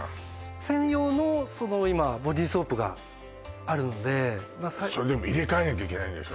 専用のその今ボディーソープがあるのでそれでも入れ替えなきゃいけないんでしょ？